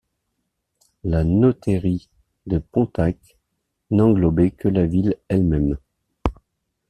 La notairie de Pontacq n'englobait que la ville elle-même.